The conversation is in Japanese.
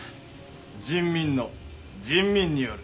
人民の人民による。